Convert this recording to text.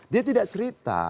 dia tidak cerita